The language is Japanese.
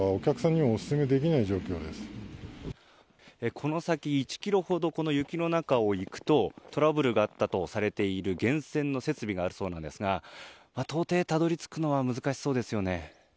この先１ｋｍほどこの雪の中を行くとトラブルがあったとされている源泉の設備があるそうですが到底たどり着くのは難しそうですね。